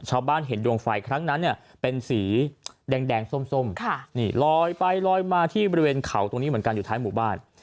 ชาวบ้านเห็นดวงไฟครั้งนั้นเนี่ยเป็นสีแดงส้มนี่ลอยไปลอยมาที่บริเวณเขาตรงนี้เหมือนกันอยู่ท้ายหมู่บ้าน